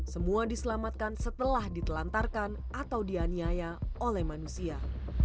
semua diselamatkan setelah ditelantarkan atau dianiaya oleh manusia